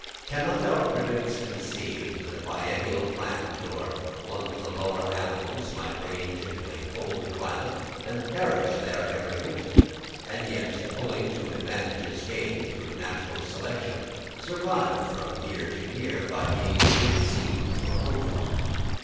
Cannot our critics conceive that a biennial plant or one of the lower animals might range into a cold climate and perish there every winter; and yet, owing to advantages gained through natural selection, survive from year to year by means of its seeds or ova?